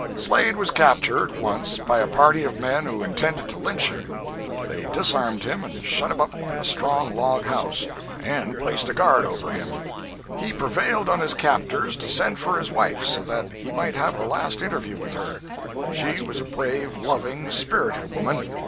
Slade was captured, once, by a party of men who intended to lynch him. They disarmed him, and shut him up in a strong log house, and placed a guard over him. He prevailed on his captors to send for his wife, so that he might have a last interview with her. She was a brave, loving, spirited woman.